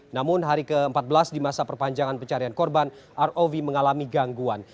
namun hari ke empat belas di masa perpanjangan pencarian korban rov mengalami gangguan